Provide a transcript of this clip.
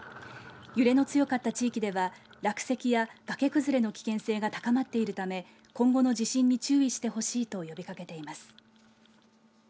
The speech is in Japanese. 揺れの強かった地域では落石や崖崩れの危険性が高まっているため今後の地震に注意してほしいと呼びかけています。